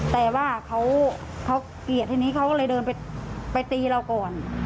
แต่ว่าเขาเกลียดทีนี้เขาก็เลยเดินไปตีเราก่อน